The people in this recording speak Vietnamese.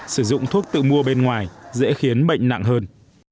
sử dụng thuốc tự mua bên ngoài dễ khiến bệnh nặng hơn